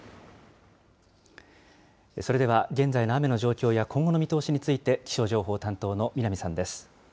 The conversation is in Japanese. それでは現在の雨の状況や今後の見通しについて、気象情報担当の南さんです。